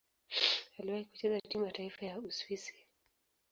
Aliwahi kucheza timu ya taifa ya Uswisi.